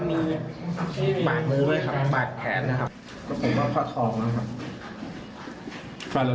ผมก็พอทองแล้วครับ